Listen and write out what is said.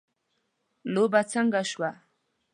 لوبه څنګه شوه